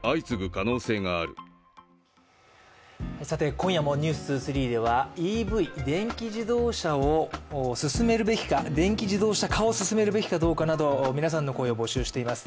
今夜も「ｎｅｗｓ２３」ではＥＶ＝電気自動車化を進めるべきかなど、皆さんの声を募集しています。